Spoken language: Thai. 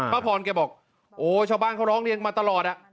พระพรแกบอกโอ้ชาวบ้านเขาร้องเรียนมาตลอด